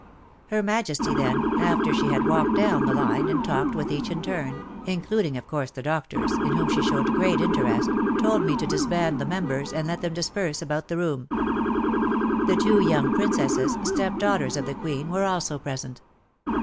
Her Majesty then, after she had walked down the line and talked with each in turn, including of course the doctors, in whom she showed great interest, told me to disband the members and let them disperse about the room. The two young Princesses, step daughters of the Queen, were also present.